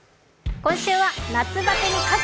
今週は夏バテに勝つ！